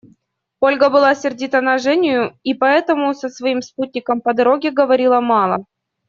Ольга была сердита на Женю и поэтому со своим спутником по дороге говорила мало.